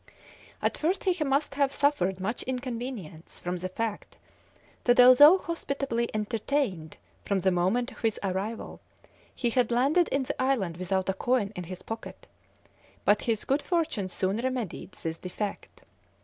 At first he must have suffered much inconvenience from the fact that although hospitably entertained from the moment of his arrival, he had landed in the island without a coin in his pocket; but his good fortune soon remedied this defect.